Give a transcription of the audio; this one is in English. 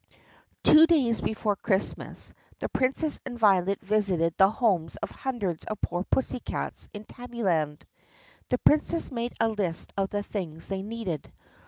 Two days before Christmas the Princess and Violet visited the homes of hundreds of poor pussycats in Tabbyland. The Princess made a list of the things they needed.